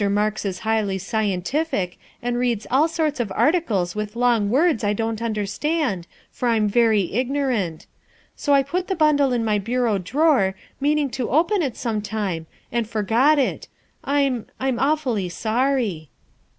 Marks is highly scientific and reads all sorts of articles with long words I don't understand, for I'm very ignorant. So I put the bundle in my 334 THE WIFE OF bureau drawer, meaning to open it sometime, and forgot it. I'm I'm awfully sorry."